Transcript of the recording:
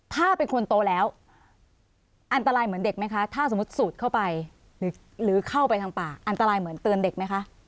ถ้าเป็นคนโตแล้วอันตรายเหมือนเด็กไหมคะถ้าสมมุติสูดเข้าไปหรือเข้าไปทางป่าอันตรายเหมือนเตือนเด็กไหมคะ